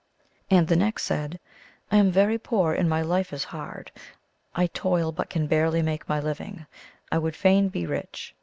And the next said, " I am very poor, and my life is hard. I toil, but can barely make niy living. I would fain be rich."